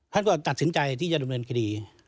ท่านก็ตัดสินใจที่จะดำเนินคดี